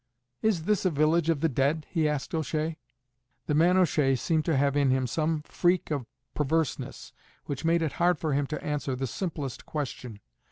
"Is this a village of the dead?" he asked O'Shea. The man O'Shea seemed to have in him some freak of perverseness which made it hard for him to answer the simplest question.